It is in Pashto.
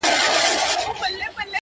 زما ځوانمرگ وماته وايي؛